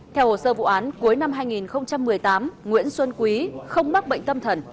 theo hồ sơ vụ án cuối năm hai nghìn một mươi tám nguyễn xuân quý không mắc bệnh tâm thần